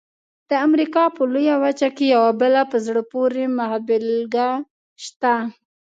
د امریکا په لویه وچه کې یوه بله په زړه پورې مخبېلګه شته.